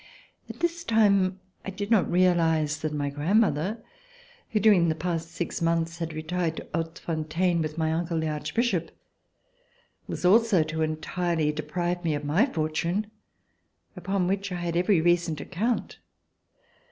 At this time I did not realize that my grandmother, who during the past six months had retired to Haute fontaine with my uncle, the Archbishop, was also to entirely deprive m.e of my fortune, upon which I had every reason to count.